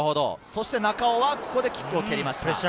中尾はここでキックを蹴りました。